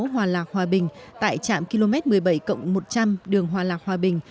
hòa lạc hòa bình tại trạm km một mươi bảy một trăm linh đường hòa lạc hòa bình